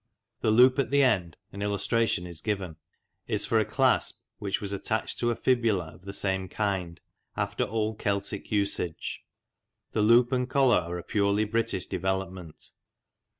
The loop at the end (an illustration is given) is for a clasp, which was attached to a fibula of the same kind, after old Celtic usage. The loop and collar are a purely British develop ment.